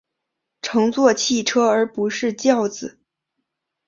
乘坐汽车而不是轿子